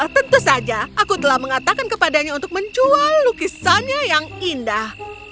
tentu saja aku telah mengatakan kepadanya untuk menjual lukisannya yang indah